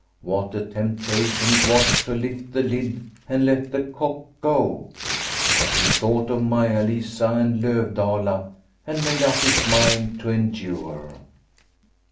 What a temptation it was to lift the lid and let the cock go, but he thought of Maia Lisa and Lovdala and made up his mind to endure.